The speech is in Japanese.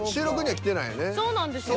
そうなんですよ。